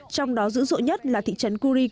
trong đó dữ dội nhất là thị trấn kyrgyzstan